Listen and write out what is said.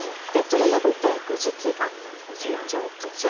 その伸びていく時期が「成長期」。